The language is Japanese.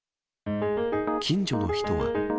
近所の人は。